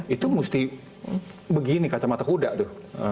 itu mesti begini kacamata kuda tuh